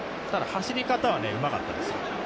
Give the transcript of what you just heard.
走り方はうまかったですよ